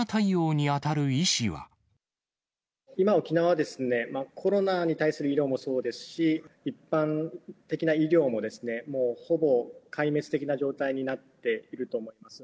今、沖縄は、コロナに対する医療もそうですし、一般的な医療ももうほぼ壊滅的な状態になっていると思います。